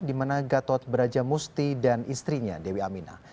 di mana gatot beraja musti dan istrinya dewi amina